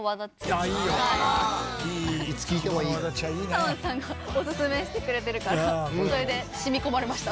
さまぁずさんがおすすめしてくれてるからそれで染み込まれました。